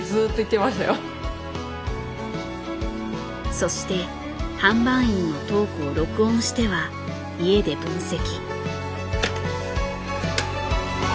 そして販売員のトークを録音しては家で分析。